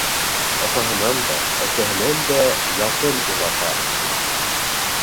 Атаһынан да, әсәһенән дә яҡын уға партия.